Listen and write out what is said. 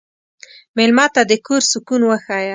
مېلمه ته د کور سکون وښیه.